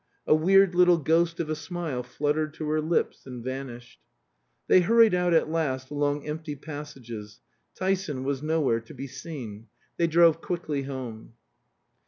A weird little ghost of a smile fluttered to her lips and vanished. They hurried out at last along empty passages. Tyson was nowhere to be seen. They drove quickly home.